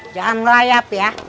jangan ngelayap ya